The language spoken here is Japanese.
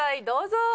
どうぞ。